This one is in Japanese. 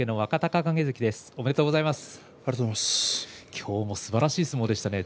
今日もすばらしい相撲でしたね。